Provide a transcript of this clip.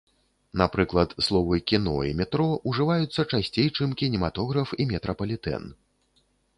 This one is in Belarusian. Напрыклад словы кіно і метро ўжываюцца часцей, чым кінематограф і метрапалітэн.